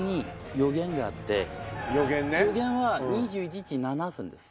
予言は２１時７分です。